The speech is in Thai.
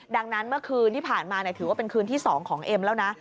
ดังนั้นเมื่อคืนที่ผ่านมาถือว่าเป็นคืนที่๒ของเอ็มแล้วนะ